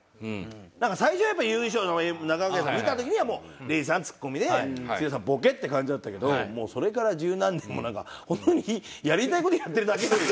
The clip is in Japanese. なんか最初はやっぱ優勝の中川家さん見た時にはもう礼二さんはツッコミで剛さんボケって感じだったけどもうそれから十何年もなんか本当にやりたい事やってるだけという。